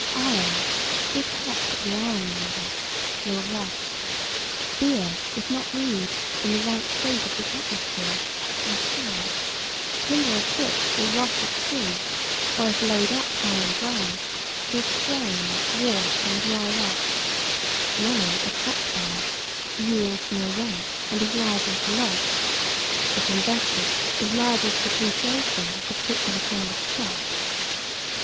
Iron, if kept at the ironmonger's, will rust; beer, if not brewed in the right state of the atmosphere, will sour; timber of ships will rot at sea, or if laid up high and dry, will strain, warp and dry rot; money, if kept by us, yields no rent and is liable to loss; if invested, is liable to depreciation of the particular kind of stock.